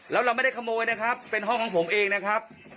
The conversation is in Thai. แล้วเราไม่ได้ขโมยนะครับเป็นห้องของผมเองนะครับ